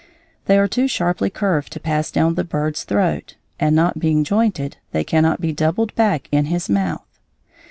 They are too sharply curved to pass down the bird's throat, and, not being jointed, they cannot be doubled back in his mouth.